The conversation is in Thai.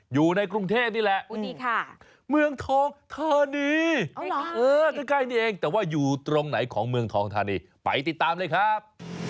อยู่ในกรุงเทพนี่แหละเมืองทองธานีใกล้นี่เองแต่ว่าอยู่ตรงไหนของเมืองทองธานีไปติดตามเลยครับ